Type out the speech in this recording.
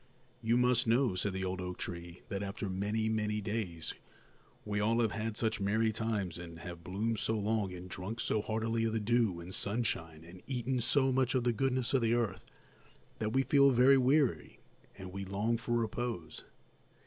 "You must know," said the old oak tree, "that after many, many days we all have had such merry times and have bloomed so long and drunk so heartily of the dew and sunshine and eaten so much of the goodness of the earth that we feel very weary and we long for repose.